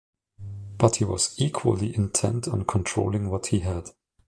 But he was equally intent on controlling what he had.